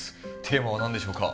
テーマは何でしょうか？